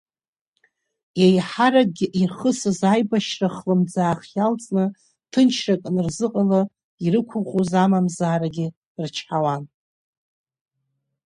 Еиҳаракгьы, ирхысыз аибашьра хлымӡаах иалҵны ҭынчрак анырзыҟала, ирықәыӷәӷәоз амамзаарагьы рычҳауан.